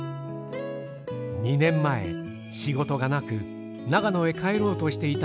２年前仕事がなく長野へ帰ろうとしていた